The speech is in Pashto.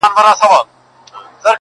لا یې تنده ورځ په ورځ پسي زیاتیږي -